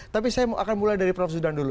tapi saya akan mulai dari prof zudan dulu